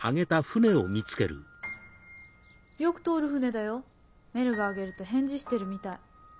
よく通る船だよメルがあげると返事してるみたい。